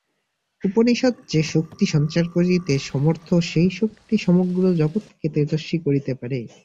উপনিষদ যে শক্তি সঞ্চার করিতে সমর্থ, সেই শক্তি সমগ্র জগৎকে তেজস্বী করিতে পারে।